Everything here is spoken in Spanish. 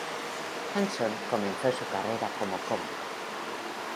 Henson comenzó su carrera como cómico.